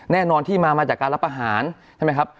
แน่นอนที่มามาจากการรับอาหารใช่ไหมครับ